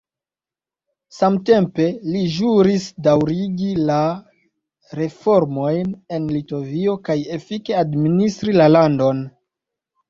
Samtempe li ĵuris daŭrigi la reformojn en Litovio kaj efike administri la landon.